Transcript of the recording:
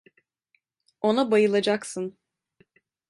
Ona bayılacaksın.